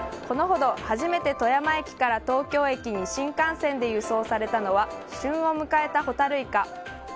このほど初めて富山駅から東京駅に新幹線で輸送されたのは旬を迎えたホタルイカ。